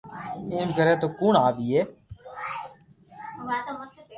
ايم ڪري تو ڪوڻ آوئي